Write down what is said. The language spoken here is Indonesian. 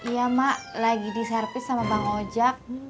iya mak lagi diservice sama bang oja